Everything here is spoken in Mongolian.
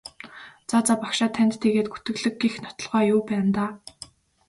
За за багшаа танд тэгээд гүтгэлэг гэх нотолгоо юу байна даа?